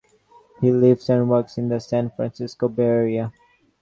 He lives and works in the San Francisco Bay Area.